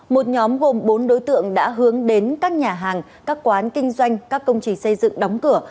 một nhóm gồm bốn đối tượng đã hướng đến các nhà hàng các quán kinh doanh các công trình xây dựng đóng cửa